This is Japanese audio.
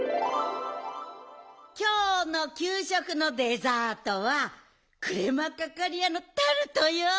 きょうのきゅうしょくのデザートはクレマカカリアのタルトよ。